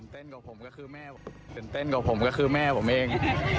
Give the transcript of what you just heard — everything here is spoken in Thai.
ตื่นเต้นกว่าผมก็คือแม่ผมเอง